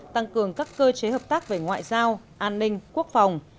tăng cường các cơ chế hợp tác về ngoại giao an ninh quốc phòng